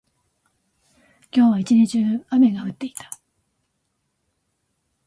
今日は一日中、雨が降っていた。